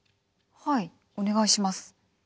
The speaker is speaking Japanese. はいお願いします。